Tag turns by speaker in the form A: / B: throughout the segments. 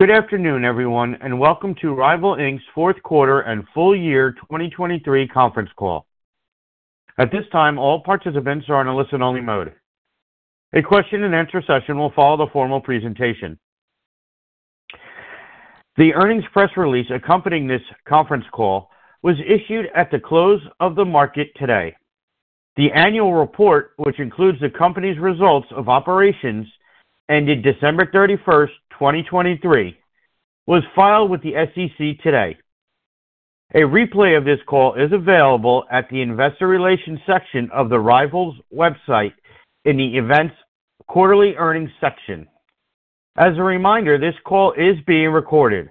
A: Good afternoon, everyone, and welcome to Ryvyl Inc.'s Fourth Quarter and Full Year 2023 conference call. At this time, all participants are in a listen-only mode. A question and answer session will follow the formal presentation. The earnings press release accompanying this conference call was issued at the close of the market today. The annual report, which includes the company's results of operations ended December 31, 2023, was filed with the SEC today. A replay of this call is available at the investor relations section of the Ryvyl's website in the Events Quarterly Earnings section. As a reminder, this call is being recorded.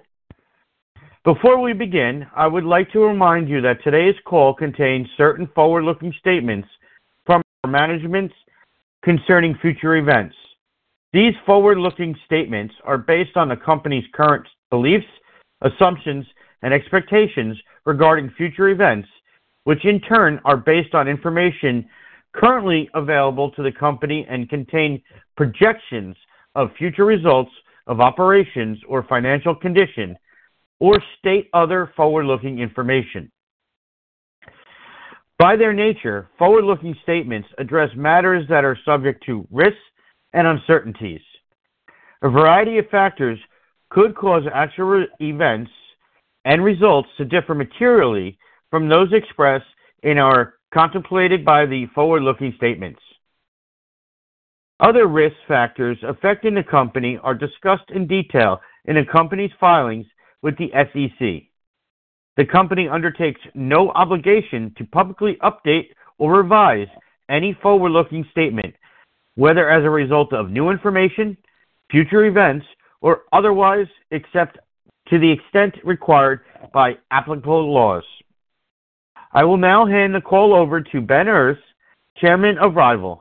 A: Before we begin, I would like to remind you that today's call contains certain forward-looking statements from our management concerning future events. These forward-looking statements are based on the company's current beliefs, assumptions, and expectations regarding future events, which in turn are based on information currently available to the company and contain projections of future results of operations or financial condition, or state other forward-looking information. By their nature, forward-looking statements address matters that are subject to risks and uncertainties. A variety of factors could cause actual events and results to differ materially from those expressed and are contemplated by the forward-looking statements. Other risk factors affecting the company are discussed in detail in the company's filings with the SEC. The company undertakes no obligation to publicly update or revise any forward-looking statement, whether as a result of new information, future events, or otherwise, except to the extent required by applicable laws. I will now hand the call over to Ben Errez, Chairman of RYVYL.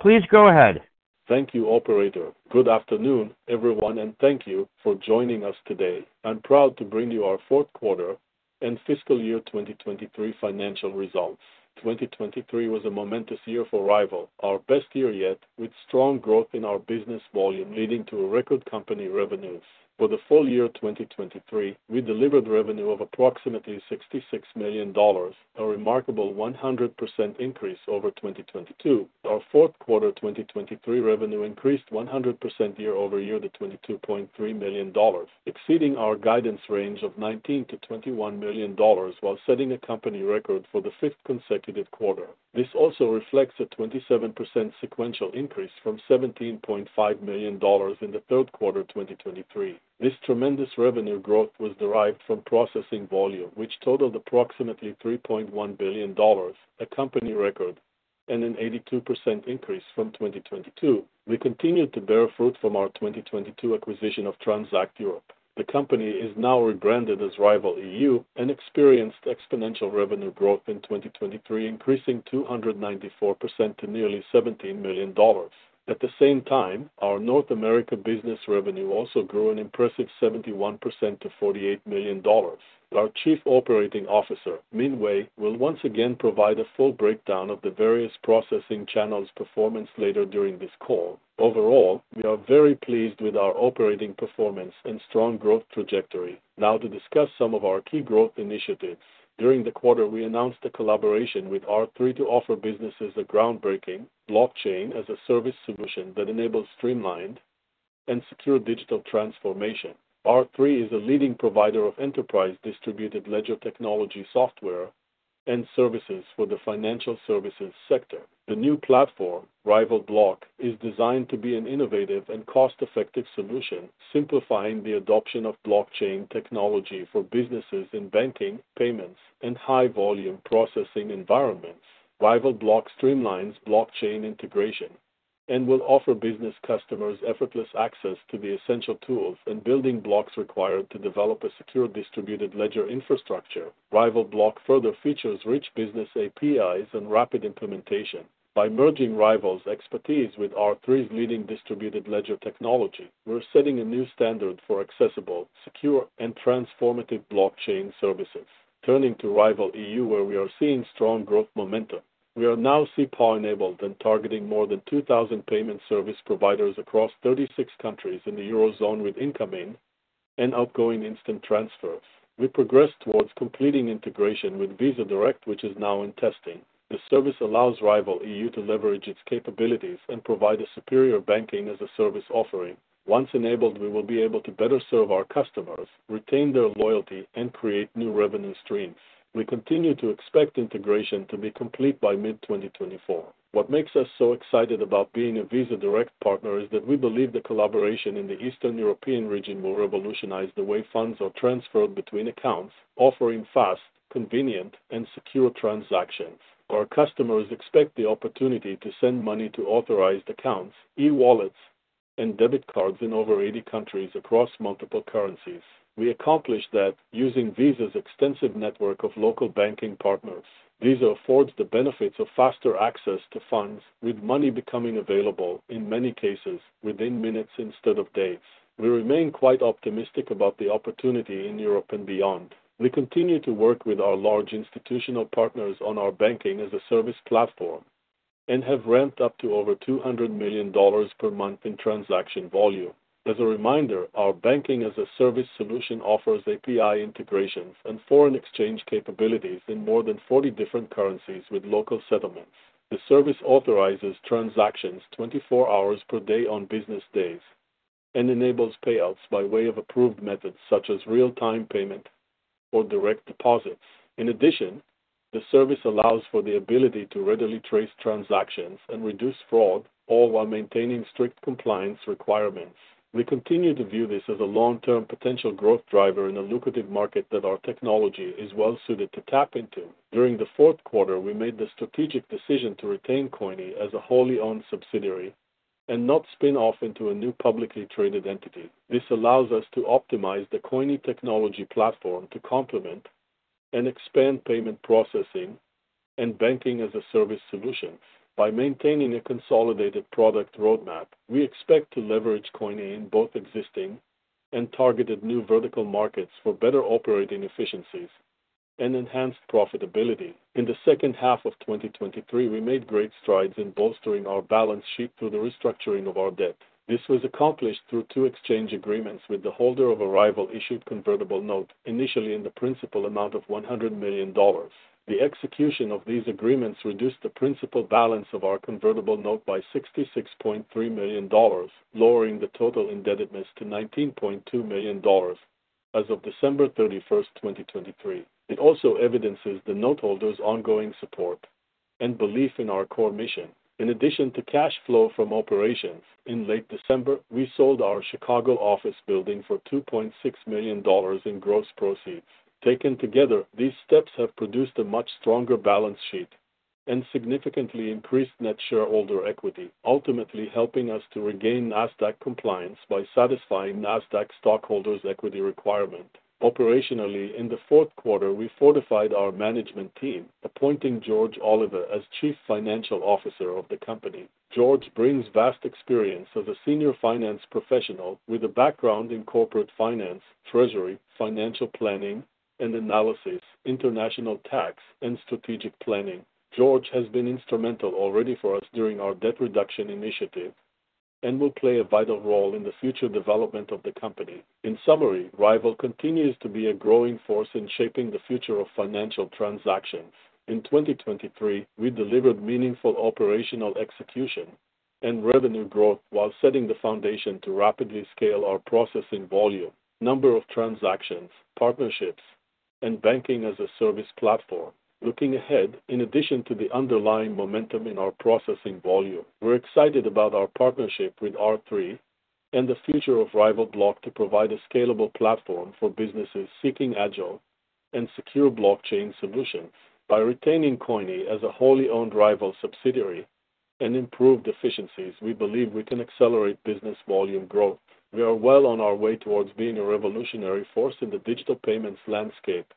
A: Please go ahead.
B: Thank you, operator. Good afternoon, everyone, and thank you for joining us today. I'm proud to bring you our fourth quarter and fiscal year 2023 financial results. 2023 was a momentous year for Ryvyl, our best year yet, with strong growth in our business volume, leading to a record company revenues. For the full year 2023, we delivered revenue of approximately $66 million, a remarkable 100% increase over 2022. Our fourth quarter 2023 revenue increased 100% year over year to $22.3 million, exceeding our guidance range of $19 million-$21 million while setting a company record for the fifth consecutive quarter. This also reflects a 27% sequential increase from $17.5 million in the third quarter of 2023. This tremendous revenue growth was derived from processing volume, which totaled approximately $3.1 billion, a company record and an 82% increase from 2022. We continued to bear fruit from our 2022 acquisition of Transact Europe. The company is now rebranded as RYVYL EU and experienced exponential revenue growth in 2023, increasing 294% to nearly $17 million. At the same time, our North America business revenue also grew an impressive 71% to $48 million. Our Chief Operating Officer, Min Wei, will once again provide a full breakdown of the various processing channels' performance later during this call. Overall, we are very pleased with our operating performance and strong growth trajectory. Now to discuss some of our key growth initiatives. During the quarter, we announced a collaboration with R3 to offer businesses a groundbreaking blockchain-as-a-service solution that enables streamlined and secure digital transformation. R3 is a leading provider of enterprise distributed ledger technology, software, and services for the financial services sector. The new platform, RYVYL Block, is designed to be an innovative and cost-effective solution, simplifying the adoption of blockchain technology for businesses in banking, payments, and high-volume processing environments. RYVYL Block streamlines blockchain integration and will offer business customers effortless access to the essential tools and building blocks required to develop a secure distributed ledger infrastructure. RYVYL Block further features rich business APIs and rapid implementation. By merging RYVYL's expertise with R3's leading distributed ledger technology, we're setting a new standard for accessible, secure, and transformative blockchain services. Turning to RYVYL EU, where we are seeing strong growth momentum, we are now SEPA enabled and targeting more than 2,000 payment service providers across 36 countries in the Eurozone with incoming and outgoing instant transfers. We progressed towards completing integration with Visa Direct, which is now in testing. The service allows RYVYL EU to leverage its capabilities and provide a superior banking-as-a-Service offering. Once enabled, we will be able to better serve our customers, retain their loyalty, and create new revenue streams. We continue to expect integration to be complete by mid-2024. What makes us so excited about being a Visa Direct partner is that we believe the collaboration in the Eastern European region will revolutionize the way funds are transferred between accounts, offering fast, convenient, and secure transactions. Our customers expect the opportunity to send money to authorized accounts, e-wallets, and debit cards in over 80 countries across multiple currencies. We accomplish that using Visa's extensive network of local banking partners. Visa affords the benefits of faster access to funds, with money becoming available in many cases within minutes instead of days. We remain quite optimistic about the opportunity in Europe and beyond. We continue to work with our large institutional partners on our banking-as-a-service platform, and have ramped up to over $200 million per month in transaction volume. As a reminder, our banking-as-a-service solution offers API integrations and foreign exchange capabilities in more than 40 different currencies with local settlements. The service authorizes transactions 24 hours per day on business days and enables payouts by way of approved methods, such as real-time payment or direct deposits. In addition, the service allows for the ability to readily trace transactions and reduce fraud, all while maintaining strict compliance requirements. We continue to view this as a long-term potential growth driver in a lucrative market that our technology is well suited to tap into. During the fourth quarter, we made the strategic decision to retain Coyni as a wholly owned subsidiary and not spin off into a new publicly traded entity. This allows us to optimize the Coyni technology platform to complement and expand payment processing and Banking-as-a-Service solution. By maintaining a consolidated product roadmap, we expect to leverage Coyni in both existing and targeted new vertical markets for better operating efficiencies and enhanced profitability. In the second half of 2023, we made great strides in bolstering our balance sheet through the restructuring of our debt. This was accomplished through two exchange agreements with the holder of RYVYL issued convertible note, initially in the principal amount of $100 million. The execution of these agreements reduced the principal balance of our convertible note by $66.3 million, lowering the total indebtedness to $19.2 million as of December 31, 2023. It also evidences the noteholder's ongoing support and belief in our core mission. In addition to cash flow from operations, in late December, we sold our Chicago office building for $2.6 million in gross proceeds. Taken together, these steps have produced a much stronger balance sheet and significantly increased net shareholder equity, ultimately helping us to regain Nasdaq compliance by satisfying Nasdaq stockholders' equity requirement. Operationally, in the fourth quarter, we fortified our management team, appointing George Oliva as Chief Financial Officer of the company. George brings vast experience as a senior finance professional with a background in corporate finance, treasury, financial planning and analysis, international tax, and strategic planning. George has been instrumental already for us during our debt reduction initiative and will play a vital role in the future development of the company. In summary, RYVYL continues to be a growing force in shaping the future of financial transactions. In 2023, we delivered meaningful operational execution and revenue growth while setting the foundation to rapidly scale our processing volume, number of transactions, partnerships, and banking-as-a-service platform. Looking ahead, in addition to the underlying momentum in our processing volume, we're excited about our partnership with R3 and the future of RYVYL Block to provide a scalable platform for businesses seeking agile and secure blockchain solutions. By retaining Coyni as a wholly owned RYVYL subsidiary and improved efficiencies, we believe we can accelerate business volume growth. We are well on our way towards being a revolutionary force in the digital payments landscape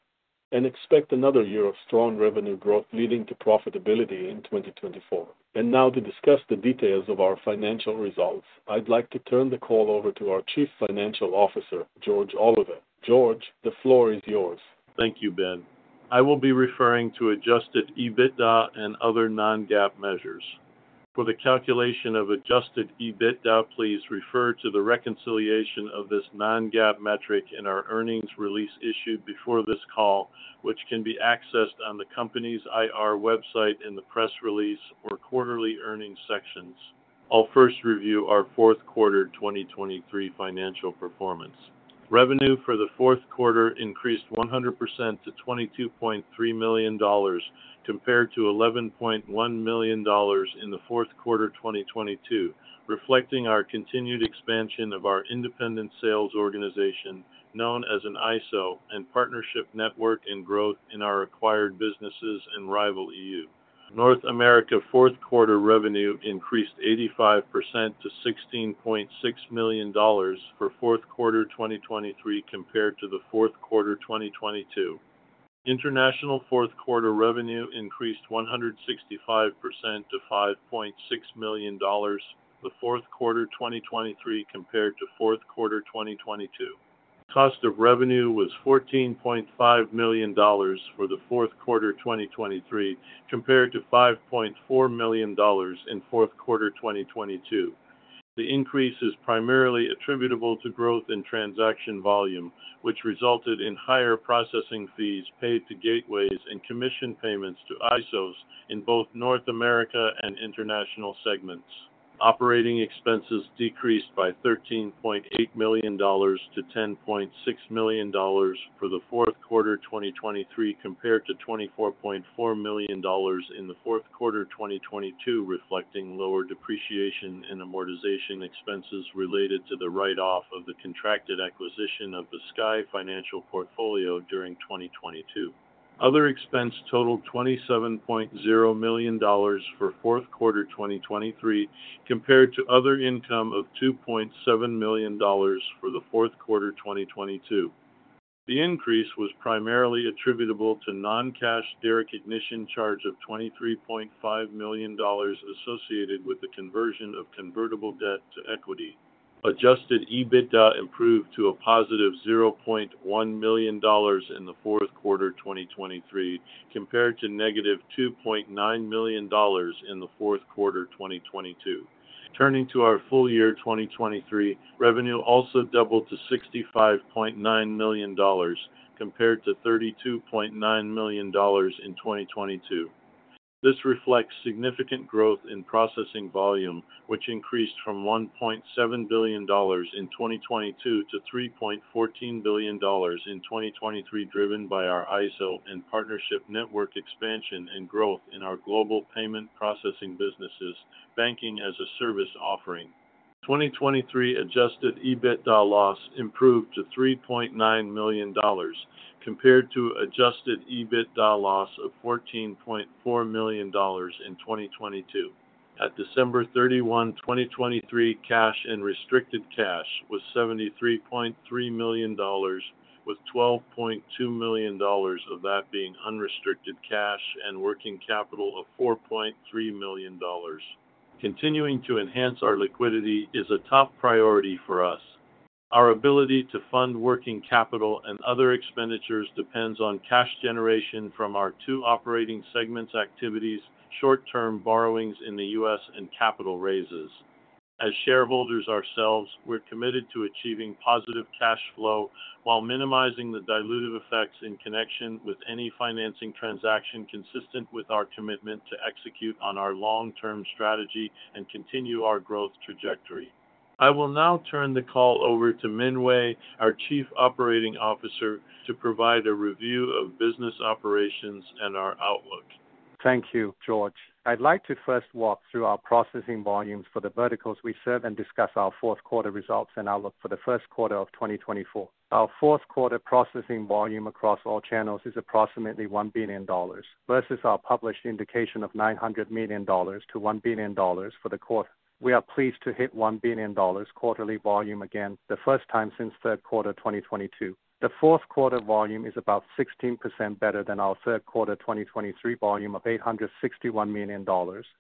B: and expect another year of strong revenue growth, leading to profitability in 2024. And now, to discuss the details of our financial results, I'd like to turn the call over to our Chief Financial Officer, George Oliva. George, the floor is yours.
C: Thank you, Ben. I will be referring to adjusted EBITDA and other non-GAAP measures. For the calculation of adjusted EBITDA, please refer to the reconciliation of this non-GAAP metric in our earnings release issued before this call, which can be accessed on the company's IR website in the press release or quarterly earnings sections. I'll first review our fourth quarter 2023 financial performance. Revenue for the fourth quarter increased 100% to $22.3 million, compared to $11.1 million in the fourth quarter 2022, reflecting our continued expansion of our independent sales organization, known as an ISO, and partnership network and growth in our acquired businesses in RYVYL EU. North America fourth quarter revenue increased 85% to $16.6 million for fourth quarter 2023 compared to the fourth quarter 2022. International fourth quarter revenue increased 165% to $5.6 million, the fourth quarter 2023 compared to fourth quarter 2022. Cost of revenue was $14.5 million for the fourth quarter 2023, compared to $5.4 million in fourth quarter 2022. The increase is primarily attributable to growth in transaction volume, which resulted in higher processing fees paid to gateways and commission payments to ISOs in both North America and international segments. Operating expenses decreased by $13.8 million to $10.6 million for the fourth quarter 2023, compared to $24.4 million in the fourth quarter 2022, reflecting lower depreciation and amortization expenses related to the write-off of the contracted acquisition of the Sky Financial portfolio during 2022. Other expense totaled $27.0 million for fourth quarter 2023, compared to other income of $2.7 million for the fourth quarter 2022. The increase was primarily attributable to non-cash share recognition charge of $23.5 million associated with the conversion of convertible debt to equity.... Adjusted EBITDA improved to a positive $0.1 million in the fourth quarter 2023, compared to negative $2.9 million in the fourth quarter 2022. Turning to our full year 2023, revenue also doubled to $65.9 million, compared to $32.9 million in 2022. This reflects significant growth in processing volume, which increased from $1.7 billion in 2022 to $3.14 billion in 2023, driven by our ISO and partnership network expansion and growth in our global payment processing businesses, banking as a service offering. 2023 Adjusted EBITDA loss improved to $3.9 million, compared to Adjusted EBITDA loss of $14.4 million in 2022. At December 31, 2023, cash and restricted cash was $73.3 million, with $12.2 million of that being unrestricted cash and working capital of $4.3 million. Continuing to enhance our liquidity is a top priority for us. Our ability to fund working capital and other expenditures depends on cash generation from our two operating segments activities, short-term borrowings in the U.S. and capital raises. As shareholders ourselves, we're committed to achieving positive cash flow while minimizing the dilutive effects in connection with any financing transaction, consistent with our commitment to execute on our long-term strategy and continue our growth trajectory. I will now turn the call over to Min Wei, our Chief Operating Officer, to provide a review of business operations and our outlook.
D: Thank you, George. I'd like to first walk through our processing volumes for the verticals we serve and discuss our fourth quarter results and outlook for the first quarter of 2024. Our fourth quarter processing volume across all channels is approximately $1 billion, versus our published indication of $900 million-$1 billion for the quarter. We are pleased to hit $1 billion quarterly volume again, the first time since third quarter, 2022. The fourth quarter volume is about 16% better than our third quarter, 2023 volume of $861 million,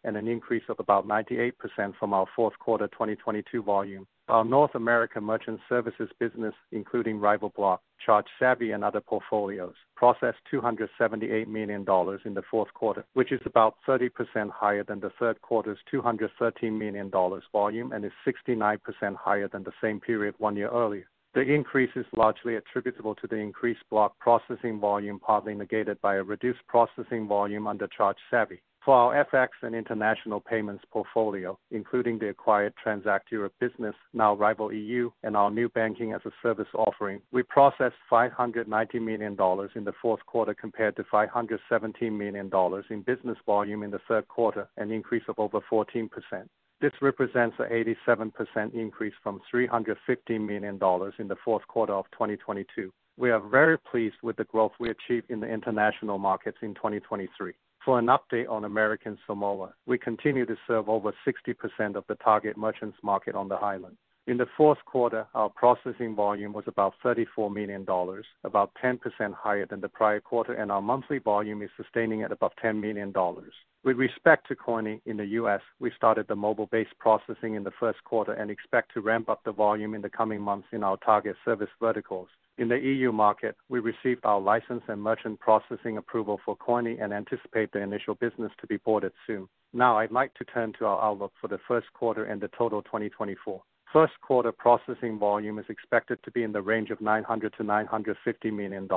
D: and an increase of about 98% from our fourth quarter, 2022 volume. Our North American Merchant Services business, including RYVYL Block, ChargeSavvy, and other portfolios, processed $278 million in the fourth quarter, which is about 30% higher than the third quarter's $213 million volume, and is 69% higher than the same period one year earlier. The increase is largely attributable to the increased block processing volume, partly negated by a reduced processing volume under ChargeSavvy. For our FX and international payments portfolio, including the acquired Transact Europe business, now RYVYL EU, and our new banking-as-a-service offering, we processed $590 million in the fourth quarter, compared to $517 million in business volume in the third quarter, an increase of over 14%. This represents an 87% increase from $350 million in the fourth quarter of 2022. We are very pleased with the growth we achieved in the international markets in 2023. For an update on American Samoa, we continue to serve over 60% of the target merchants market on the island. In the fourth quarter, our processing volume was about $34 million, about 10% higher than the prior quarter, and our monthly volume is sustaining at above $10 million. With respect to Coyni in the U.S., we started the mobile-based processing in the first quarter and expect to ramp up the volume in the coming months in our target service verticals. In the EU market, we received our license and merchant processing approval for Coyni and anticipate the initial business to be boarded soon. Now, I'd like to turn to our outlook for the first quarter and the total 2024. First quarter processing volume is expected to be in the range of $900 million-$950 million.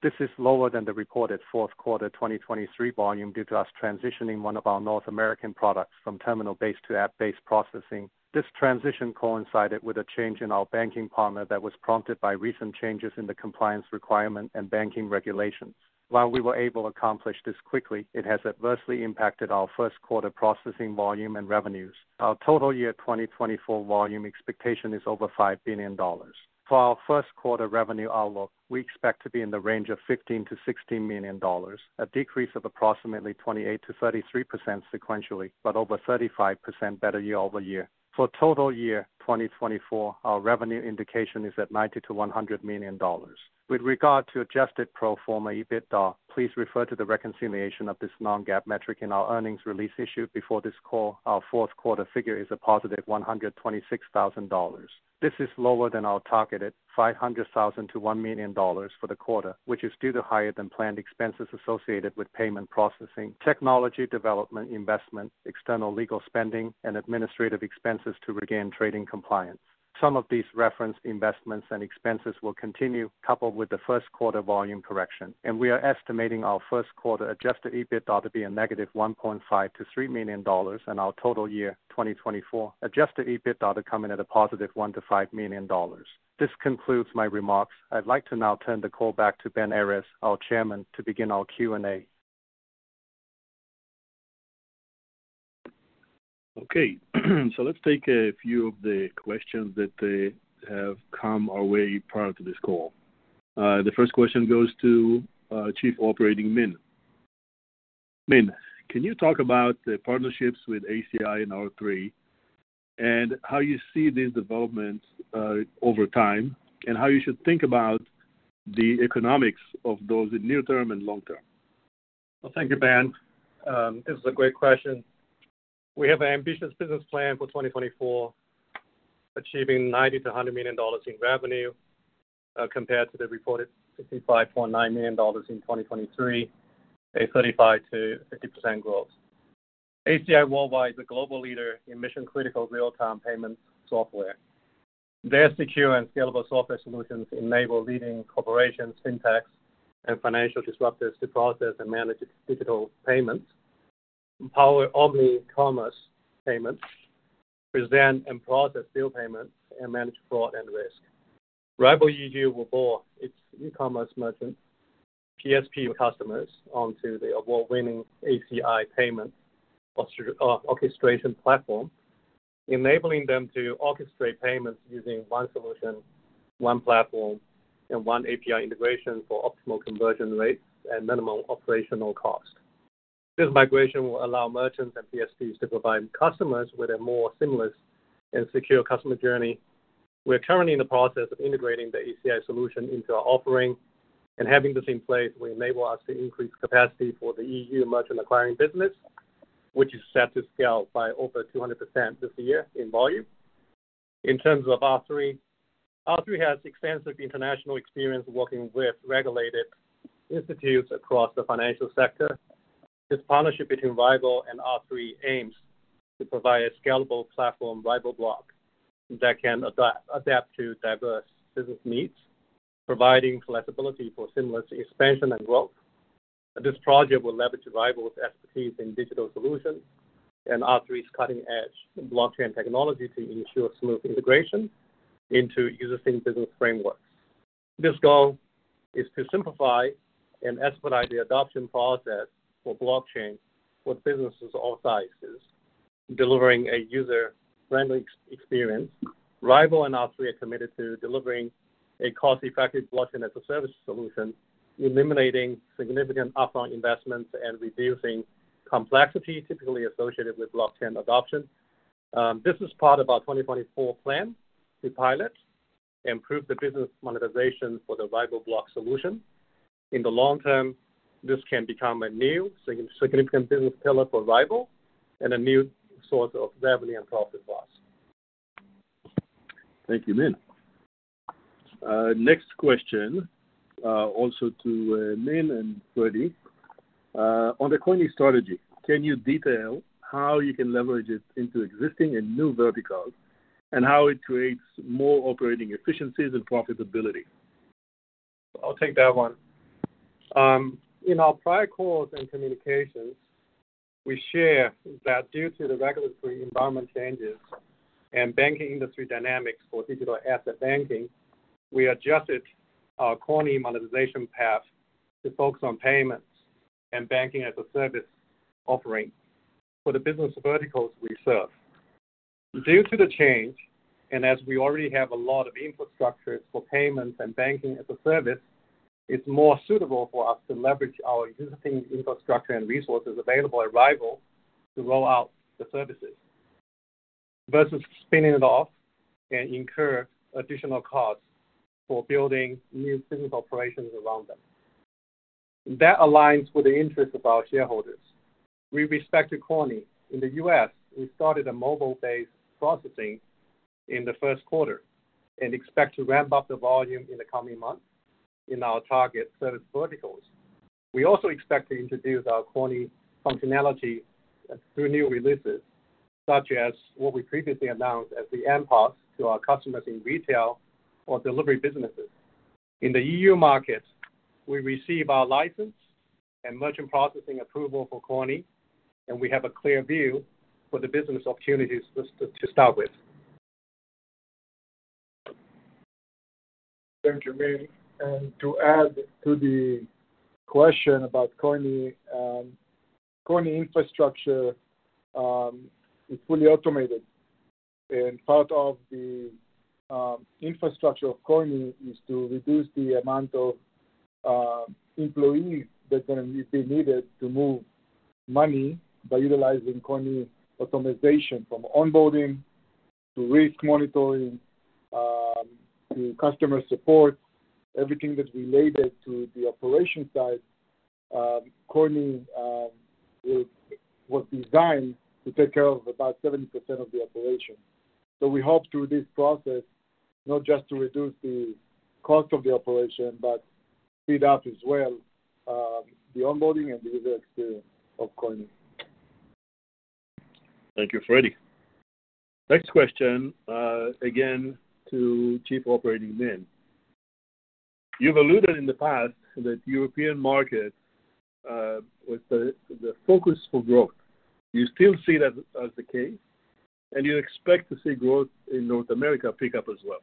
D: This is lower than the recorded fourth quarter 2023 volume, due to us transitioning one of our North American products from terminal-based to app-based processing. This transition coincided with a change in our banking partner that was prompted by recent changes in the compliance requirement and banking regulations. While we were able to accomplish this quickly, it has adversely impacted our first quarter processing volume and revenues. Our total year 2024 volume expectation is over $5 billion. For our first quarter revenue outlook, we expect to be in the range of $15 million-$16 million, a decrease of approximately 28%-33% sequentially, but over 35% better year-over-year. For total year 2024, our revenue indication is at $90 million-$100 million. With regard to adjusted pro forma EBITDA, please refer to the reconciliation of this non-GAAP metric in our earnings release issued before this call. Our fourth quarter figure is a positive $126,000. This is lower than our targeted $500,000-$1 million for the quarter, which is due to higher than planned expenses associated with payment processing, technology development, investment, external legal spending, and administrative expenses to regain trading compliance. Some of these referenced investments and expenses will continue, coupled with the first quarter volume correction, and we are estimating our first quarter adjusted EBITDA to be a negative $1.5 million-$3 million, and our total year 2024 adjusted EBITDA to come in at a positive $1 million-$5 million. This concludes my remarks. I'd like to now turn the call back to Ben Errez, our chairman, to begin our Q&A.
B: Okay, so let's take a few of the questions that have come our way prior to this call. The first question goes to Chief Operating Officer Min Wei. Min Wei, can you talk about the partnerships with ACI and R3, and how you see these developments over time, and how you should think about the economics of those in near term and long term?
D: Well, thank you, Ben. This is a great question. We have an ambitious business plan for 2024, achieving $90-$100 million in revenue, compared to the reported $65.9 million in 2023, a 35%-50% growth. ACI Worldwide is a global leader in mission-critical real-time payment software. Their secure and scalable software solutions enable leading corporations, fintechs, and financial disruptors to process and manage digital payments, empower omnicommerce payments, present and process bill payments, and manage fraud and risk. RYVYL EU will board its e-commerce merchant PSP customers onto the award-winning ACI payment orchestration platform, enabling them to orchestrate payments using one solution, one platform, and one API integration for optimal conversion rates and minimal operational cost. This migration will allow merchants and PSPs to provide customers with a more seamless and secure customer journey. We are currently in the process of integrating the ACI solution into our offering, and having this in place will enable us to increase capacity for the EU merchant acquiring business, which is set to scale by over 200% this year in volume. In terms of R3, R3 has extensive international experience working with regulated institutes across the financial sector. This partnership between RYVYL and R3 aims to provide a scalable platform, RYVYL Block, that can adapt to diverse business needs, providing flexibility for seamless expansion and growth. This project will leverage RYVYL's expertise in digital solutions and R3's cutting-edge blockchain technology to ensure smooth integration into existing business frameworks. This goal is to simplify and expedite the adoption process for blockchain for businesses of all sizes, delivering a user-friendly experience. RYVYL and R3 are committed to delivering a cost-effective blockchain as a service solution, eliminating significant upfront investments and reducing complexity typically associated with blockchain adoption. This is part of our 2024 plan to pilot, improve the business monetization for the RYVYL Block solution. In the long term, this can become a new significant business pillar for RYVYL and a new source of revenue and profit for us.
B: Thank you, Min. Next question, also to Min and Fredi. On the coin strategy, can you detail how you can leverage it into existing and new verticals, and how it creates more operating efficiencies and profitability?
D: I'll take that one. In our prior calls and communications, we share that due to the regulatory environment changes and banking industry dynamics for digital asset banking, we adjusted our Coyni monetization path to focus on payments and banking as a service offering for the business verticals we serve. Due to the change, and as we already have a lot of infrastructures for payments and banking as a service, it's more suitable for us to leverage our existing infrastructure and resources available at RYVYL to roll out the services, versus spinning it off and incur additional costs for building new physical operations around them. That aligns with the interest of our shareholders. With respect to Coyni, in the U.S., we started a mobile-based processing in the first quarter and expect to ramp up the volume in the coming months in our target service verticals. We also expect to introduce our Coyni functionality through new releases, such as what we previously announced as the mPOS to our customers in retail or delivery businesses. In the EU markets, we receive our license and merchant processing approval for Coyni, and we have a clear view for the business opportunities to start with.
E: Thank you, Min. To add to the question about Coyni, Coyni infrastructure is fully automated, and part of the infrastructure of Coyni is to reduce the amount of employees that are gonna be needed to move money by utilizing Coyni automation, from onboarding, to risk monitoring, to customer support, everything that's related to the operation side, Coyni was, was designed to take care of about 70% of the operation. So we hope through this process, not just to reduce the cost of the operation, but speed up as well the onboarding and the user experience of Coyni.
B: Thank you, Fredi. Next question, again, to Chief Operating Officer Min Wei. You've alluded in the past that the European market was the focus for growth. Do you still see that as the case? And you expect to see growth in North America pick up as well?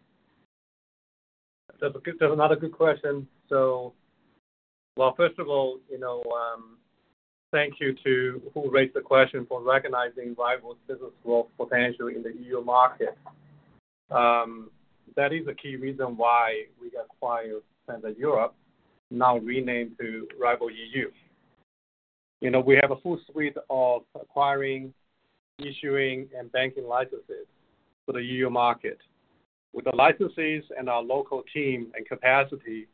D: That's a good... That's another good question. So, well, first of all, you know, thank you to who raised the question for recognizing Ryvyl's business growth potential in the EU market. That is a key reason why we acquired Standard Europe, now renamed to Ryvyl EU. You know, we have a full suite of acquiring, issuing, and banking licenses for the EU market... With the licenses and our local team and capacity,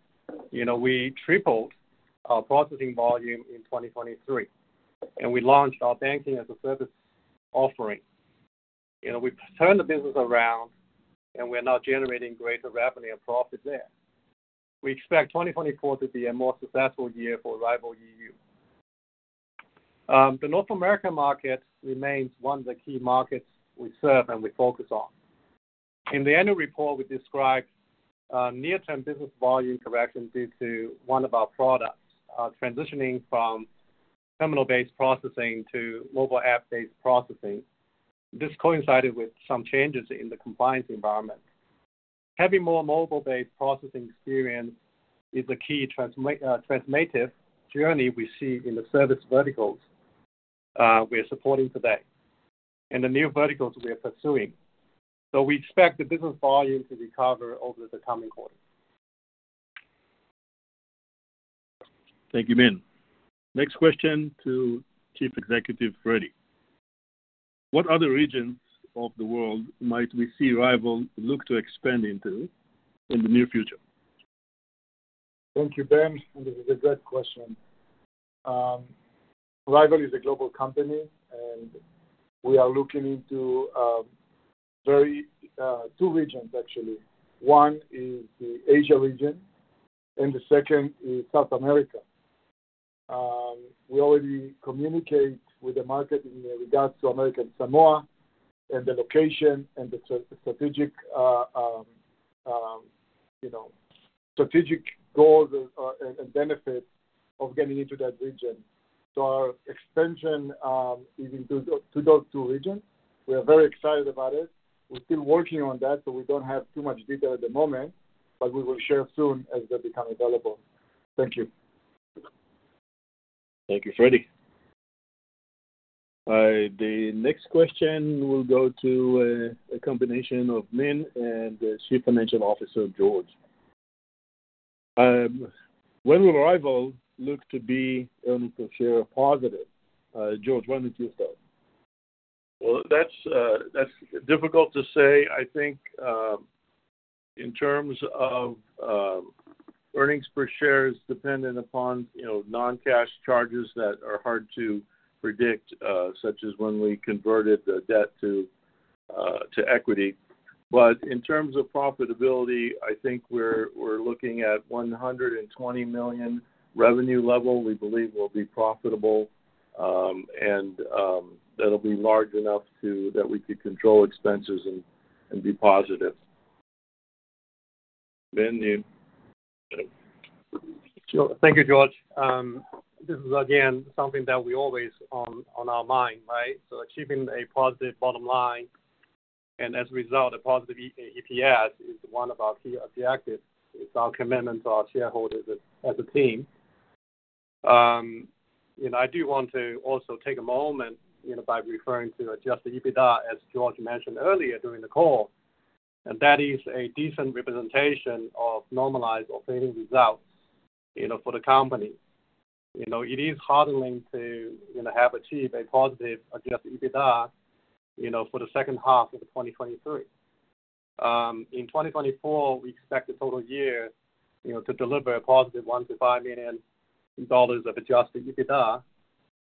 D: you know, we tripled our processing volume in 2023, and we launched our banking-as-a-service offering. You know, we've turned the business around, and we're now generating greater revenue and profit there. We expect 2024 to be a more successful year for Ryvyl EU. The North American market remains one of the key markets we serve and we focus on. In the annual report, we described a near-term business volume correction due to one of our products transitioning from terminal-based processing to mobile app-based processing. This coincided with some changes in the compliance environment. Having more mobile-based processing experience is the key transformative journey we see in the service verticals we are supporting today and the new verticals we are pursuing. So we expect the business volume to recover over the coming quarters.
B: Thank you, Min. Next question to Chief Executive, Fredi. What other regions of the world might we see RYVYL look to expand into in the near future?
E: Thank you, Ben. This is a great question. Ryvyl is a global company, and we are looking into very two regions, actually. One is the Asia region, and the second is South America. We already communicate with the market in regards to American Samoa and the location and the strategic, you know, strategic goals and, and benefits of getting into that region. So our expansion is into to those two regions. We are very excited about it. We're still working on that, so we don't have too much detail at the moment, but we will share soon as they become available. Thank you.
B: Thank you, Fredi. The next question will go to a combination of Min and Chief Financial Officer, George. When will Ryvyl look to be earnings per share positive? George, why don't you start?
C: Well, that's, that's difficult to say. I think, in terms of, earnings per share is dependent upon, you know, non-cash charges that are hard to predict, such as when we converted the debt to, to equity. But in terms of profitability, I think we're, we're looking at $120 million revenue level, we believe will be profitable. And, that'll be large enough to... That we could control expenses and, and be positive.
B: Min, you?
D: Thank you, George. This is again something that we always on our mind, right? So achieving a positive bottom line, and as a result, a positive EPS is one of our key objectives. It's our commitment to our shareholders as a team. You know, I do want to also take a moment by referring to adjusted EBITDA, as George mentioned earlier during the call, and that is a decent representation of normalized operating results for the company. You know, it is heartening to have achieved a positive adjusted EBITDA for the second half of 2023. In 2024, we expect the total year, you know, to deliver a positive $1 million-$5 million of adjusted EBITDA,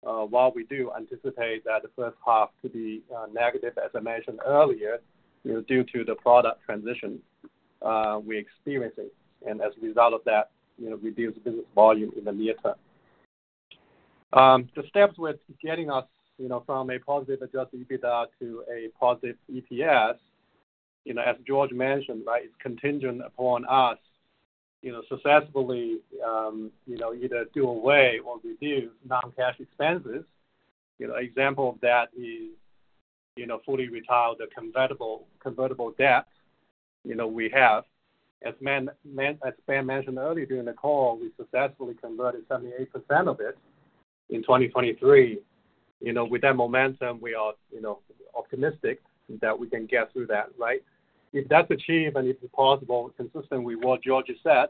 D: while we do anticipate that the first half to be negative, as I mentioned earlier, you know, due to the product transition we're experiencing, and as a result of that, you know, reduced business volume in the near term. The steps with getting us, you know, from a positive adjusted EBITDA to a positive EPS, you know, as George mentioned, right, it's contingent upon us, you know, successfully, you know, either do away or reduce non-cash expenses. You know, example of that is, you know, fully retire the convertible debt, you know, we have. As Ben mentioned earlier during the call, we successfully converted 78% of it in 2023. You know, with that momentum, we are, you know, optimistic that we can get through that, right? If that's achieved, and it is possible, consistent with what George has said,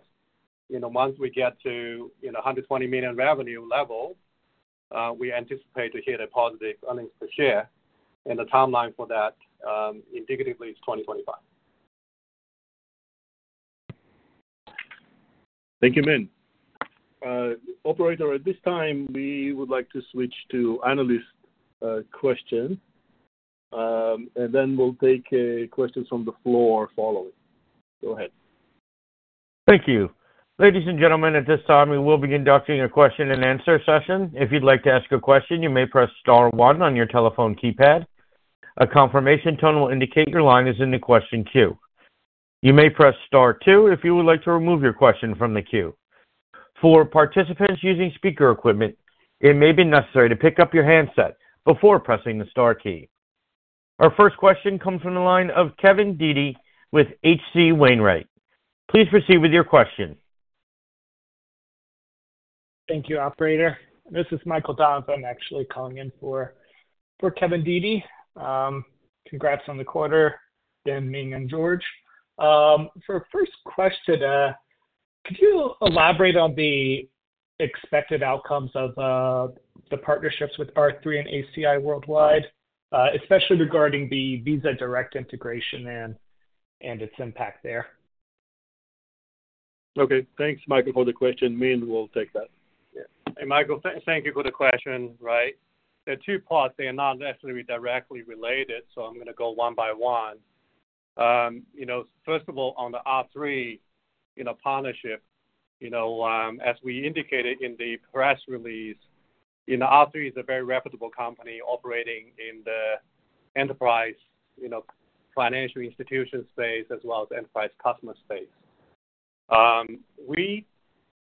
D: you know, once we get to, you know, $120 million revenue level, we anticipate to hit a positive earnings per share, and the timeline for that, indicatively, is 2025.
B: Thank you, Min. Operator, at this time, we would like to switch to analyst question, and then we'll take questions from the floor following. Go ahead.
A: Thank you. Ladies and gentlemen, at this time, we will be conducting a question-and-answer session. If you'd like to ask a question, you may press star one on your telephone keypad. A confirmation tone will indicate your line is in the question queue. You may press star two if you would like to remove your question from the queue. For participants using speaker equipment, it may be necessary to pick up your handset before pressing the star key. Our first question comes from the line of Kevin Dede with H.C. Wainwright. Please proceed with your question.
F: Thank you, operator. This is Michael Donovan. I'm actually calling in for Kevin Dede. Congrats on the quarter, Ben, Min, and George. For our first question, Could you elaborate on the expected outcomes of the partnerships with R3 and ACI Worldwide, especially regarding the Visa Direct integration and its impact there?
B: Okay, thanks, Michael, for the question. Min will take that. Yeah.
D: Hey, Michael, thank you for the question, right? There are two parts. They are not necessarily directly related, so I'm gonna go one by one. You know, first of all, on the R3 partnership, you know, as we indicated in the press release, you know, R3 is a very reputable company operating in the enterprise financial institution space as well as enterprise customer space. We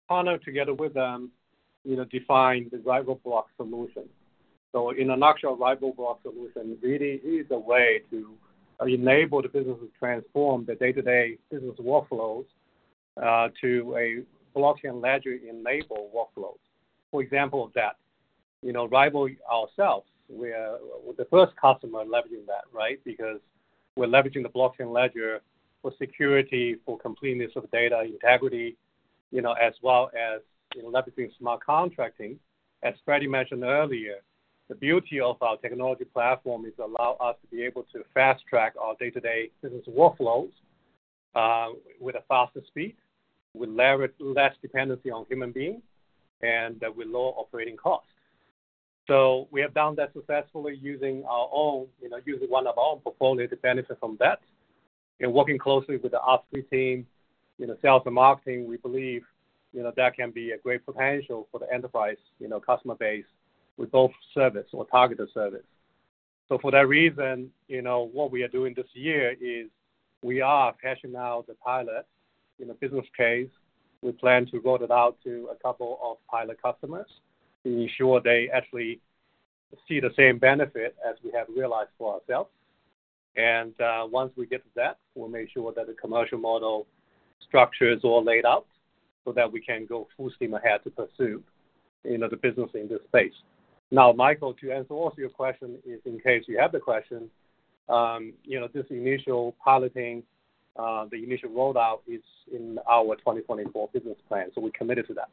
D: partnered together with them, you know, to define the RYVYL Block solution. So in a nutshell, RYVYL Block solution really is a way to enable the business to transform the day-to-day business workflows to a blockchain ledger-enabled workflows. For example of that, you know, RYVYL ourselves, we are the first customer leveraging that, right? Because we're leveraging the blockchain ledger for security, for completeness of data integrity, you know, as well as, you know, leveraging smart contracting. As Fredi mentioned earlier, the beauty of our technology platform is allow us to be able to fast track our day-to-day business workflows, with a faster speed, with less dependency on human beings and, with lower operating costs. So we have done that successfully using our own, you know, using one of our own portfolio to benefit from that. And working closely with the R3 team, you know, sales and marketing, we believe, you know, that can be a great potential for the enterprise, you know, customer base with both service or targeted service. So for that reason, you know, what we are doing this year is we are hashing out the pilot. In a business case, we plan to roll it out to a couple of pilot customers to ensure they actually see the same benefit as we have realized for ourselves. And once we get to that, we'll make sure that the commercial model structure is all laid out so that we can go full steam ahead to pursue, you know, the business in this space. Now, Michael, to answer also your question is in case you have the question, you know, this initial piloting, the initial rollout is in our 2024 business plan, so we're committed to that.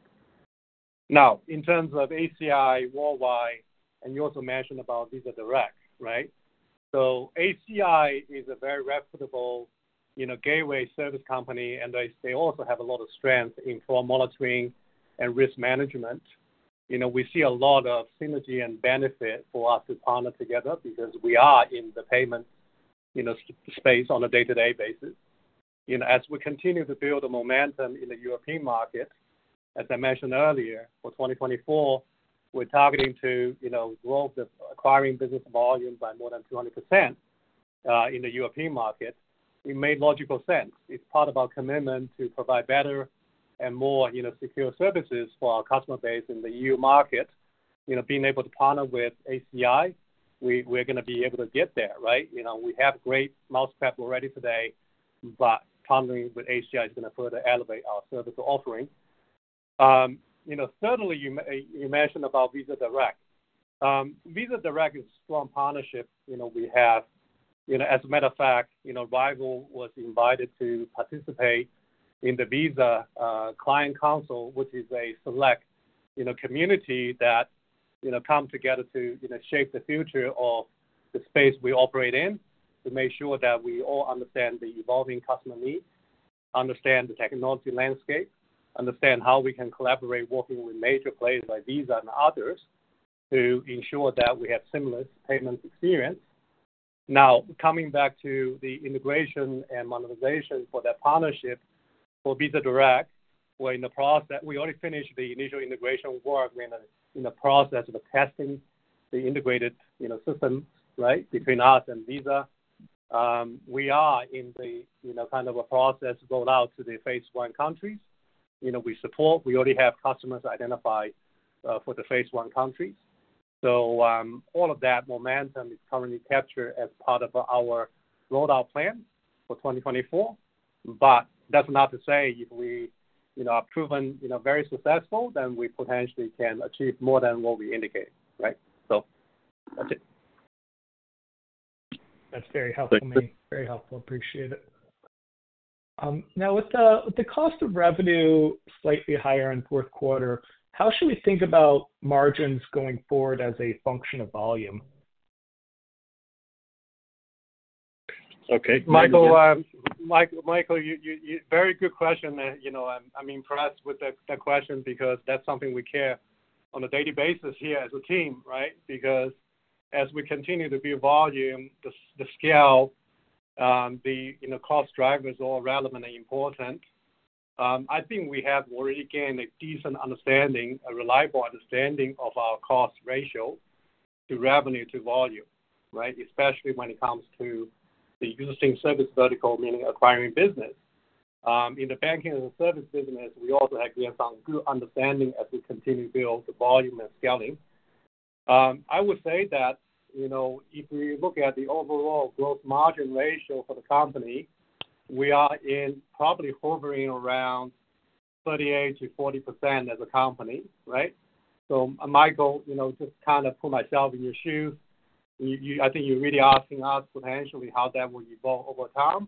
D: Now, in terms of ACI Worldwide, and you also mentioned about Visa Direct, right? So ACI is a very reputable, you know, gateway service company, and they, they also have a lot of strength in fraud monitoring and risk management. You know, we see a lot of synergy and benefit for us to partner together because we are in the payment, you know, space on a day-to-day basis. You know, as we continue to build the momentum in the European market, as I mentioned earlier, for 2024, we're targeting to, you know, grow the acquiring business volume by more than 200%, in the European market. It made logical sense. It's part of our commitment to provide better and more, you know, secure services for our customer base in the EU market. You know, being able to partner with ACI, we, we're gonna be able to get there, right? You know, we have great muscle prep already today, but partnering with ACI is gonna further elevate our service offering. You know, certainly you mentioned about Visa Direct. Visa Direct is a strong partnership, you know, we have. You know, as a matter of fact, you know, RYVYL was invited to participate in the Visa Client Council, which is a select, you know, community that, you know, come together to, you know, shape the future of the space we operate in, to make sure that we all understand the evolving customer needs, understand the technology landscape, understand how we can collaborate, working with major players like Visa and others, to ensure that we have similar payment experience. Now, coming back to the integration and monetization for that partnership for Visa Direct, we're in the process. We already finished the initial integration work. We're in the process of testing the integrated, you know, system, right? Between us and Visa. We are in the, you know, kind of a process to roll out to the phase one countries. You know, we support, we already have customers identified, for the phase one countries. So, all of that momentum is currently captured as part of our rollout plan for 2024. But that's not to say if we, you know, are proven, you know, very successful, then we potentially can achieve more than what we indicated, right? So that's it.
F: That's very helpful, Min. Very helpful. Appreciate it. Now with the cost of revenue slightly higher in fourth quarter, how should we think about margins going forward as a function of volume?
D: Okay, Michael. Very good question there. You know, I'm impressed with the question because that's something we care on a daily basis here as a team, right? Because as we continue to build volume, the scale, you know, cost drivers are all relevant and important. I think we have already gained a decent understanding, a reliable understanding of our cost ratio to revenue, to volume, right? Especially when it comes to the acquiring service vertical, meaning acquiring business. In the banking and service business, we also have gained some good understanding as we continue to build the volume and scaling. I would say that, you know, if we look at the overall gross margin ratio for the company, we are probably hovering around 38%-40% as a company, right? So Michael, you know, just to kind of put myself in your shoes... You, I think you're really asking us potentially how that will evolve over time.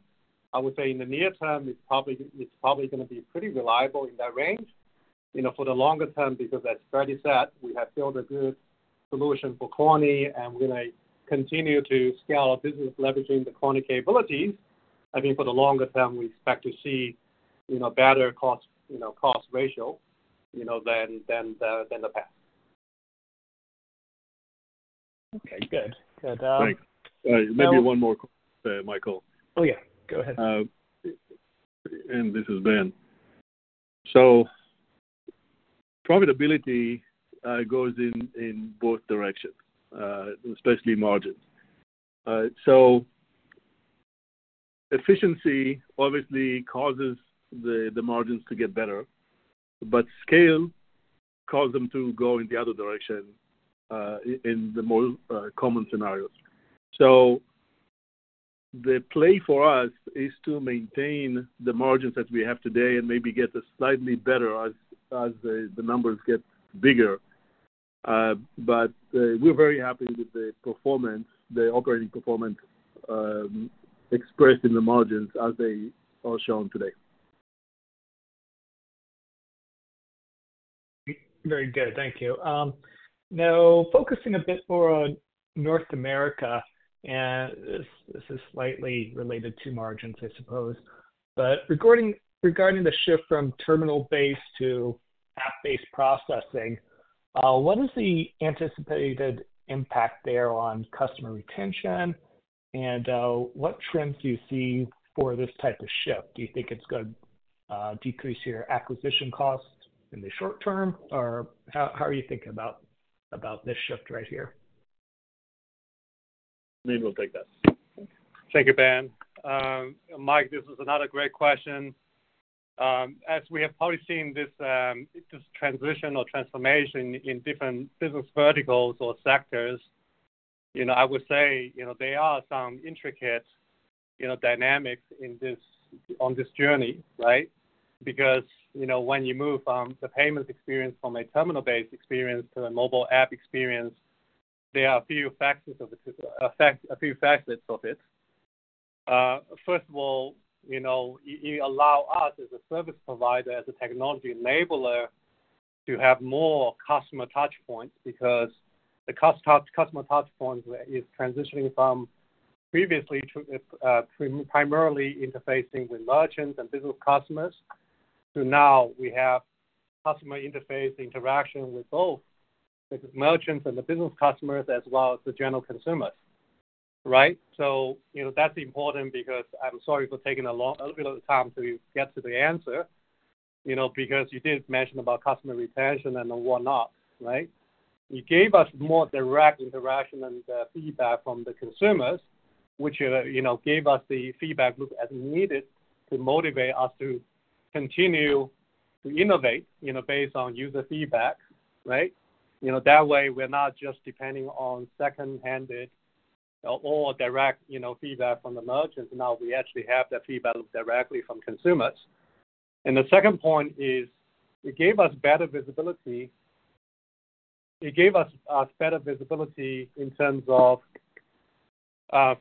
D: I would say in the near term, it's probably gonna be pretty reliable in that range. You know, for the longer term, because as Fredi said, we have built a good solution for Coyni, and we're gonna continue to scale our business leveraging the Coyni capabilities. I think for the longer term, we expect to see, you know, better cost, you know, cost ratio, you know, than the past.
F: Okay, good. Good,
B: Thanks. Maybe one more, Michael.
F: Oh, yeah, go ahead.
B: And this is Ben. Profitability goes in both directions, especially margins. Efficiency obviously causes the margins to get better, but scale cause them to go in the other direction in the more common scenarios. The play for us is to maintain the margins that we have today and maybe get a slightly better as the numbers get bigger. But we're very happy with the performance, the operating performance, expressed in the margins as they are shown today.
F: Very good. Thank you. Now focusing a bit more on North America, and this is slightly related to margins, I suppose. But regarding the shift from terminal-based to app-based processing, what is the anticipated impact there on customer retention? And what trends do you see for this type of shift? Do you think it's gonna decrease your acquisition costs in the short term? Or how are you thinking about this shift right here?
B: Min will take that.
D: Thank you, Ben. Mike, this is another great question. As we have probably seen this, this transition or transformation in different business verticals or sectors, you know, I would say, you know, there are some intricate, you know, dynamics in this on this journey, right? Because, you know, when you move from the payment experience from a terminal-based experience to a mobile app experience, there are a few factors of it, a few facets of it. First of all, you know, you allow us as a service provider, as a technology enabler, to have more customer touchpoints, because customer touchpoints is transitioning from previously to, primarily interfacing with merchants and business customers, to now we have customer interface interaction with both the merchants and the business customers as well as the general consumers, right? So, you know, that's important because I'm sorry for taking a long, a little bit of time to get to the answer, you know, because you did mention about customer retention and whatnot, right? It gave us more direct interaction and feedback from the consumers, which, you know, gave us the feedback loop as needed to motivate us to continue to innovate, you know, based on user feedback, right? You know, that way, we're not just depending on second-hand or direct, you know, feedback from the merchants. Now, we actually have that feedback directly from consumers. And the second point is it gave us better visibility. It gave us better visibility in terms of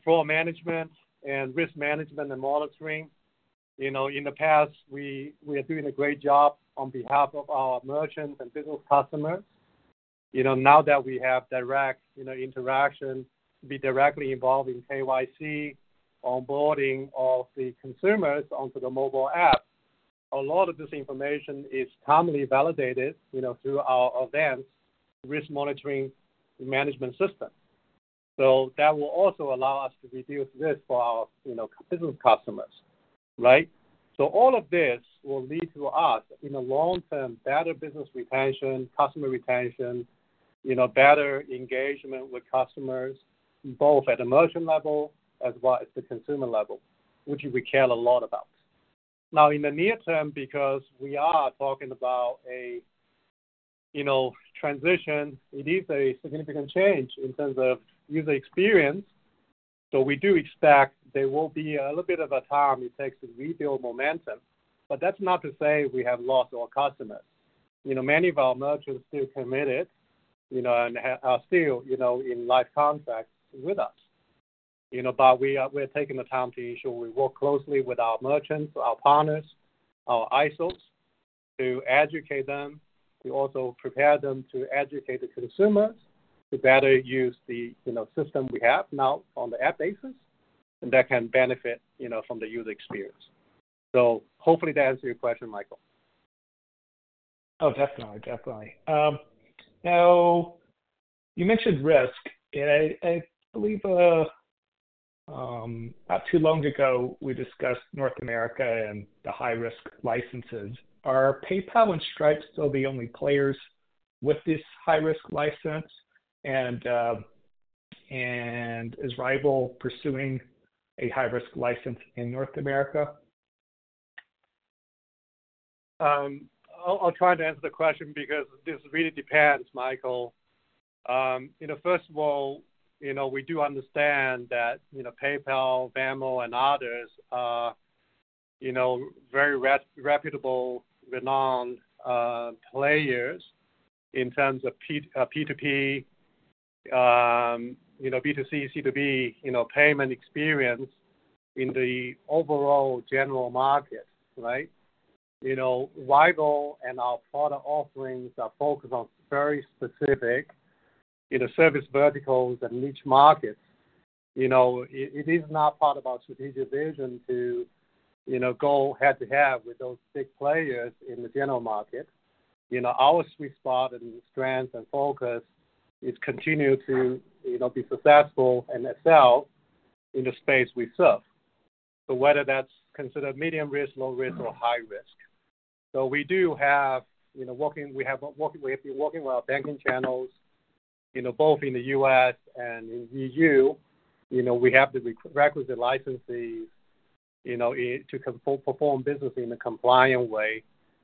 D: flow management and risk management and monitoring. You know, in the past, we are doing a great job on behalf of our merchants and business customers. You know, now that we have direct, you know, interaction, be directly involved in KYC, onboarding of the consumers onto the mobile app, a lot of this information is commonly validated, you know, through our advanced risk monitoring management system. So that will also allow us to reduce risk for our, you know, business customers, right? So all of this will lead to us, in the long term, better business retention, customer retention, you know, better engagement with customers, both at the merchant level as well as the consumer level, which we care a lot about. Now, in the near term, because we are talking about a, you know, transition, it is a significant change in terms of user experience. So we do expect there will be a little bit of a time it takes to rebuild momentum. But that's not to say we have lost our customers. You know, many of our merchants are still committed, you know, and are still, you know, in live contact with us. You know, but we are-- we're taking the time to ensure we work closely with our merchants, our partners, our ISOs, to educate them, to also prepare them to educate the consumers to better use the, you know, system we have now on the app basis, and that can benefit, you know, from the user experience. So hopefully that answers your question, Michael.
F: Oh, definitely, definitely. Now, you mentioned risk, and I, I believe, not too long ago, we discussed North America and the high-risk licenses. Are PayPal and Stripe still the only players with this high-risk license? And, and is Ryvyl pursuing a high-risk license in North America?
D: I'll try to answer the question because this really depends, Michael. You know, first of all, you know, we do understand that, you know, PayPal, Venmo, and others, you know, very reputable, renowned, players in terms of P2P, you know, B2C, C2B, you know, payment experience in the overall general market, right? You know, Ryvyl and our product offerings are focused on very specific, you know, service verticals and niche markets. You know, it is not part of our strategic vision to, you know, go head-to-head with those big players in the general market. You know, our sweet spot and strength and focus is continue to, you know, be successful and excel in the space we serve. So whether that's considered medium risk, low risk, or high risk. So we do have, you know, we have been working with our banking channels, you know, both in the U.S. and in E.U. You know, we have the requisite licenses, you know, to perform business in a compliant way,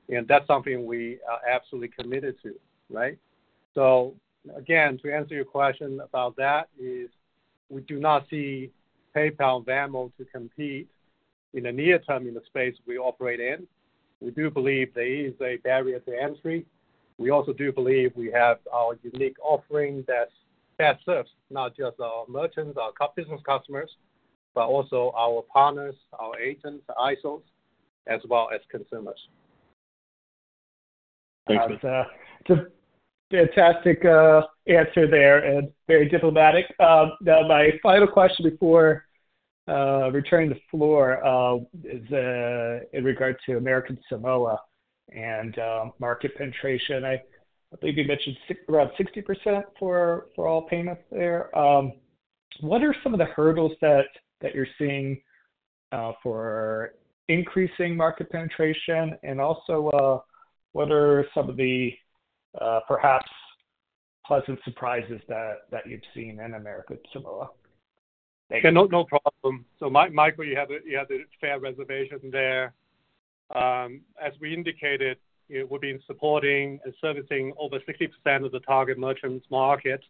D: and that's something we are absolutely committed to, right? So again, to answer your question about that, is we do not see PayPal, Venmo, to compete in the near term in the space we operate in. We do believe there is a barrier to entry. We also do believe we have our unique offering that serves not just our merchants, our business customers, but also our partners, our agents, ISOs, as well as consumers.
F: It's a fantastic answer there and very diplomatic. Now my final question before returning the floor is in regard to American Samoa and market penetration. I believe you mentioned around 60% for all payments there. What are some of the hurdles that you're seeing for increasing market penetration? And also, what are some of the perhaps pleasant surprises that you've seen in American Samoa? Thank you.
D: Yeah, no, no problem. So Michael, you have a, you have a fair reservation there. As we indicated, we've been supporting and servicing over 60% of the target merchants market,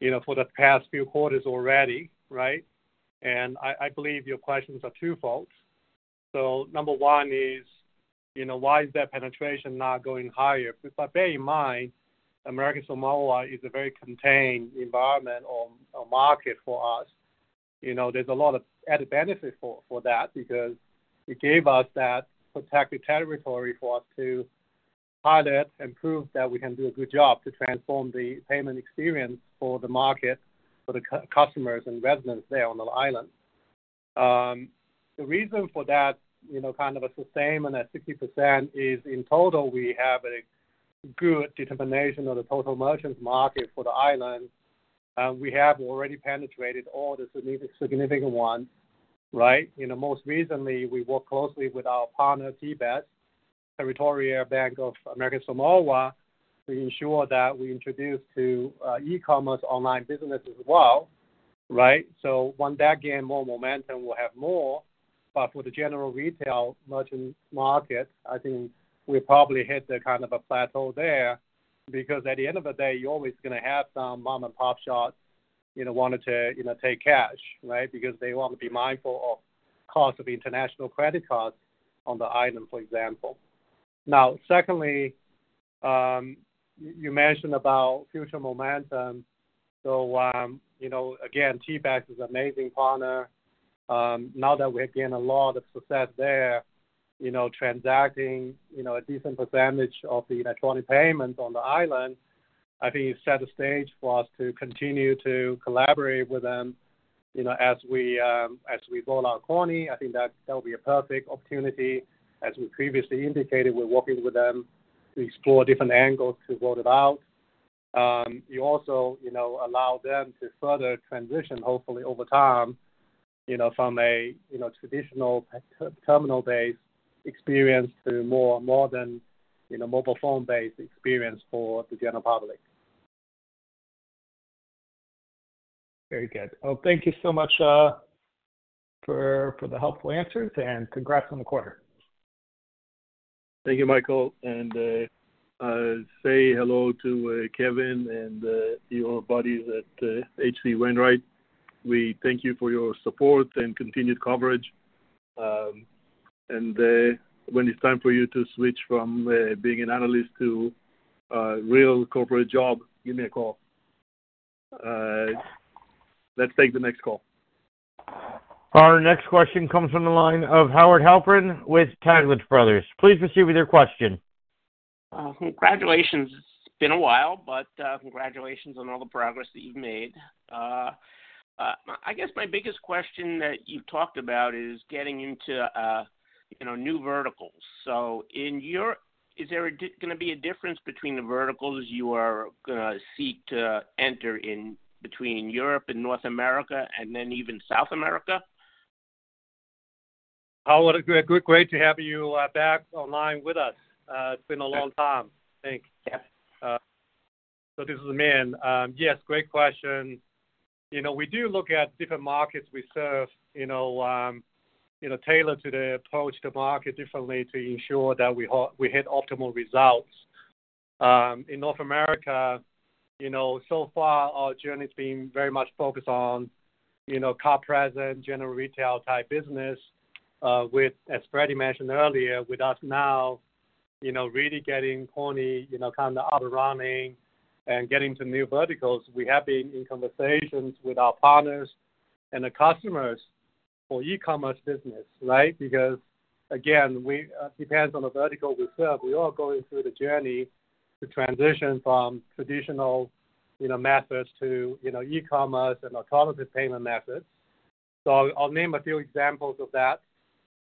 D: you know, for the past few quarters already, right? And I believe your questions are twofold. So number one is, you know, why is that penetration not going higher? But bear in mind, American Samoa is a very contained environment or market for us. You know, there's a lot of added benefit for that because it gave us that protected territory for us to pilot and prove that we can do a good job to transform the payment experience for the market, for the customers and residents there on the island. The reason for that, you know, kind of a sustain at 60% is, in total, we have a good determination of the total merchant market for the island, and we have already penetrated all the significant ones, right? You know, most recently, we worked closely with our partner, TBAS, Territorial Bank of American Samoa, to ensure that we introduce to e-commerce online business as well, right? So when that gain more momentum, we'll have more, but for the general retail merchant market, I think we probably hit the kind of a plateau there, because at the end of the day, you're always gonna have some mom-and-pop shops, you know, wanting to, you know, take cash, right? Because they want to be mindful of cost of international credit cards on the island, for example. Now, secondly, you mentioned about future momentum. So, you know, again, TBAS is amazing partner. Now that we have gained a lot of success there, you know, transacting, you know, a decent percentage of the electronic payments on the island, I think it set the stage for us to continue to collaborate with them, you know, as we, as we roll out Coyni. I think that that will be a perfect opportunity. As we previously indicated, we're working with them to explore different angles to roll it out. It also, you know, allow them to further transition, hopefully over time, you know, from a, you know, traditional terminal-based experience to more, more than, you know, mobile phone-based experience for the general public.
F: Very good. Well, thank you so much for the helpful answers, and congrats on the quarter.
B: Thank you, Michael, and say hello to Kevin and your buddies at H.C. Wainwright. We thank you for your support and continued coverage. When it's time for you to switch from being an analyst to a real corporate job, give me a call. Let's take the next call.
A: Our next question comes from the line of Howard Halpern with Taglich Brothers. Please proceed with your question.
G: Congratulations. It's been a while, but, congratulations on all the progress that you've made. I guess my biggest question that you talked about is getting into, you know, new verticals. So in your. Is there gonna be a difference between the verticals you are gonna seek to enter in between Europe and North America and then even South America?
D: Howard, great to have you back online with us. It's been a long time. Thanks.
G: Yeah.
D: So this is Min. Yes, great question. You know, we do look at different markets we serve, you know, you know, tailored to the approach the market differently to ensure that we hit optimal results. In North America, you know, so far our journey has been very much focused on, you know, card present, general retail type business, with, as Fredi mentioned earlier, with us now, you know, really getting Coyni, you know, kind of up and running and getting to new verticals. We have been in conversations with our partners and the customers for e-commerce business, right? Because, again, we, it depends on the vertical we serve. We are going through the journey to transition from traditional, you know, methods to, you know, e-commerce and alternative payment methods. So I'll name a few examples of that.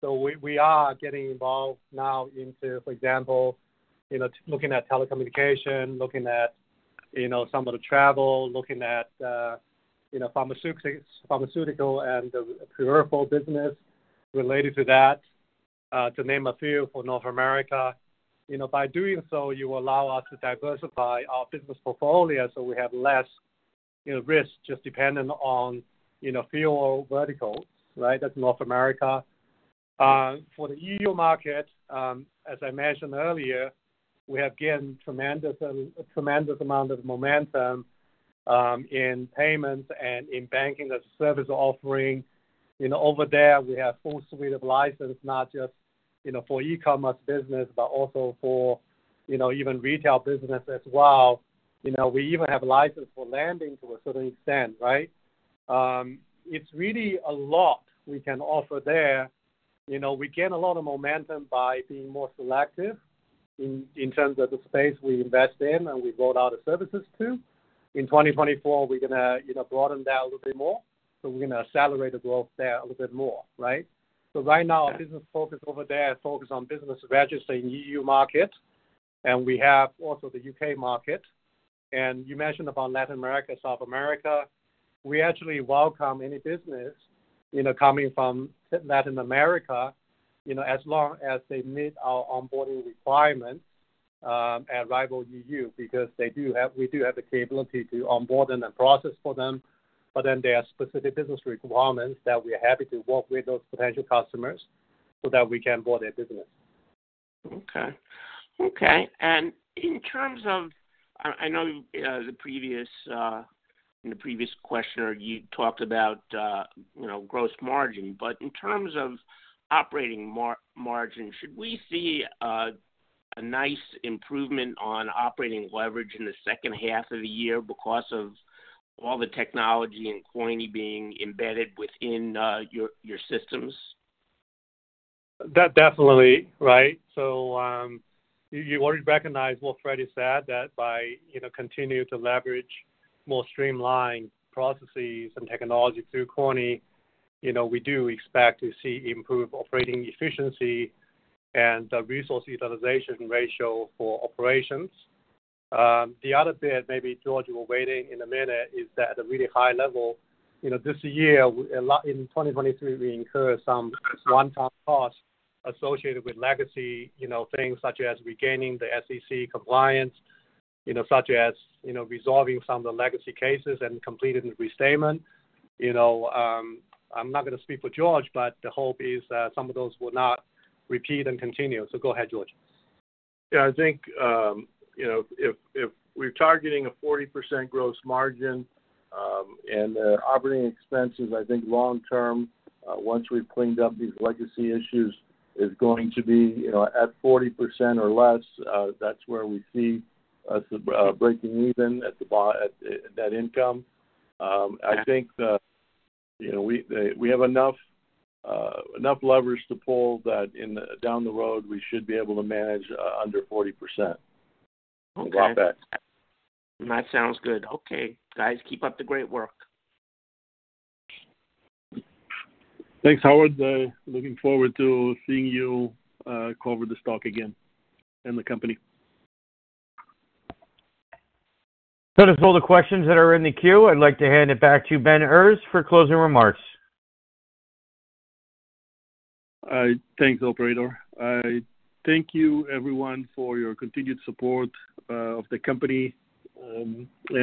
D: So we are getting involved now into, for example, you know, looking at telecommunication, looking at, you know, some of the travel, looking at, you know, pharmaceutics, pharmaceutical and the peripheral business related to that, to name a few for North America. You know, by doing so, you allow us to diversify our business portfolio so we have less, you know, risk, just dependent on, you know, few verticals, right? That's North America. For the EU market, as I mentioned earlier, we have gained tremendous amount of momentum in payments and in banking as a service offering. You know, over there, we have full suite of license, not just, you know, for e-commerce business, but also for, you know, even retail business as well. You know, we even have license for lending to a certain extent, right? It's really a lot we can offer there. You know, we gain a lot of momentum by being more selective in terms of the space we invest in and we roll out the services to. In 2024, we're gonna, you know, broaden that a little bit more, so we're gonna accelerate the growth there a little bit more, right? So right now, our business focus over there is focused on business registered in EU market, and we have also the U.K. market. And you mentioned about Latin America, South America. We actually welcome any business, you know, coming from Latin America, you know, as long as they meet our onboarding requirements at RYVYL EU, because we do have the capability to onboard and then process for them, but then there are specific business requirements that we are happy to work with those potential customers so that we can onboard their business.
G: Okay. Okay, and in terms of... I know the previous, in the previous questioner, you talked about, you know, gross margin, but in terms of operating margin, should we see a nice improvement on operating leverage in the second half of the year because of all the technology and Coyni being embedded within your systems?
D: That definitely, right. So, you already recognized what Fredi said, that by, you know, continuing to leverage more streamlined processes and technology through Coyni, you know, we do expect to see improved operating efficiency and the resource utilization ratio for operations. The other bit, maybe, George, you will weigh in, in a minute, is that at a really high level, you know, this year, a lot, in 2023, we incurred some one-time costs associated with legacy, you know, things such as regaining the SEC compliance, you know, such as, you know, resolving some of the legacy cases and completing the restatement. You know, I'm not gonna speak for George, but the hope is that some of those will not repeat and continue. So go ahead, George.
C: Yeah, I think, you know, if we're targeting a 40% gross margin, and the operating expenses, I think long term, once we've cleaned up these legacy issues, is going to be, you know, at 40% or less, that's where we see us breaking even at net income. I think, you know, we have enough levers to pull that in, down the road, we should be able to manage under 40%.
G: Okay.
C: About that.
G: That sounds good. Okay, guys, keep up the great work.
B: Thanks, Howard. Looking forward to seeing you cover the stock again and the company.
A: So that's all the questions that are in the queue. I'd like to hand it back to Ben Errez for closing remarks.
B: Thanks, operator. I thank you, everyone, for your continued support of the company,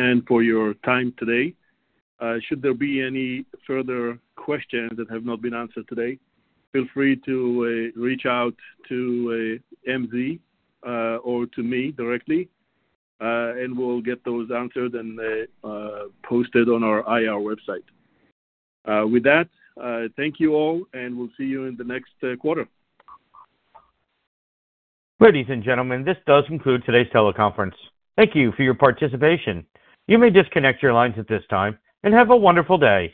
B: and for your time today. Should there be any further questions that have not been answered today, feel free to reach out to MZ, or to me directly, and we'll get those answered and posted on our IR website. With that, thank you all, and we'll see you in the next quarter.
A: Ladies and gentlemen, this does conclude today's teleconference. Thank you for your participation. You may disconnect your lines at this time, and have a wonderful day.